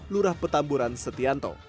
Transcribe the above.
lurah petamburan setianto